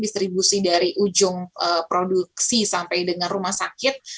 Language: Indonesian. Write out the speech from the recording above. distribusi dari ujung produksi sampai dengan rumah sakit